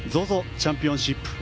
チャンピオンシップ